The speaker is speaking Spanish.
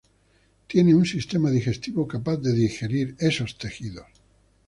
Tiene un sistema digestivo capaz de digerir esos tejidos.